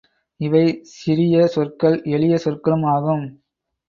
இவை சிறிய சொற்கள், எளிய சொற்களும் ஆகும்.